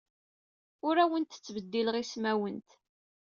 Ur awent-ttbeddileɣ ismawent.